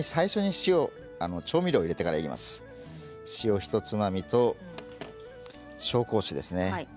塩ひとつまみと紹興酒ですね。